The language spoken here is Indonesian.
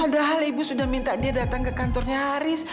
padahal ibu sudah minta dia datang ke kantornya haris